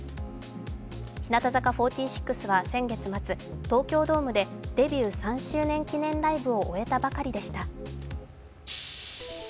日向坂４６は先月末、東京ドームでデビュー３周年記念ライブを終えたばかりでした。